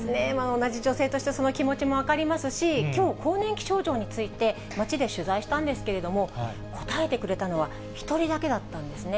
同じ女性としてはその気持ちも分かりますし、きょう、更年期症状について、街で取材したんですけれども、答えてくれたのは１人だけだったんですね。